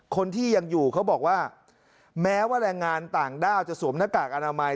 คนที่ยังอยู่เขาบอกว่าแม้ว่าแรงงานต่างด้าวจะสวมหน้ากากอนามัย